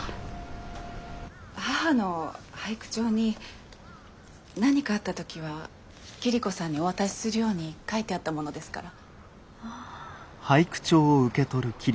母の俳句帳に何かあった時は桐子さんにお渡しするように書いてあったものですから。